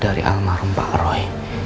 dari almarhum pak roy